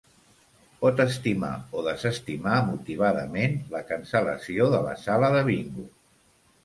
Pot estimar o desestimar, motivadament, la cancel·lació de la sala de bingo.